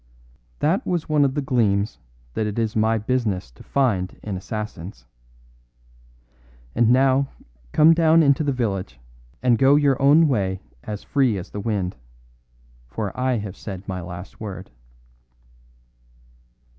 That was one of the gleams that it is my business to find in assassins. And now come down into the village, and go your own way as free as the wind; for I have said my last word."